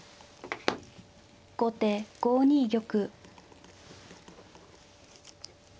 後手５二玉。